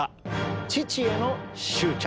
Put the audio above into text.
「父への執着」。